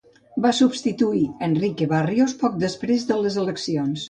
Va substituir Enrique Barrios poc després de les eleccions.